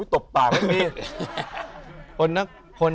ตบปากให้พี่